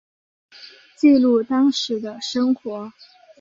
记录当时的生活